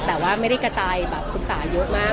แต่ว่าไม่ได้กระจายปรึกษาเยอะมาก